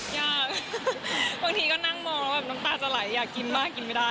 ยากบางทีก็นั่งมองแล้วแบบน้ำตาจะไหลอยากกินมากกินไม่ได้